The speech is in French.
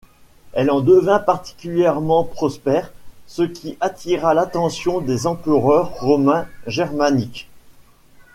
Elle en devint particulièrement prospère, ce qui attira l'attention des empereurs romains germaniques.